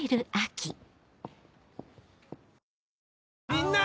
みんな！